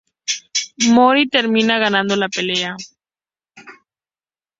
Mori termina ganando la pelea.